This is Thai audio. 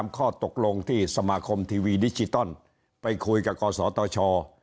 ข้อตกลงที่สมาคมทีวีดิจิตอลไปคุยกับกศตช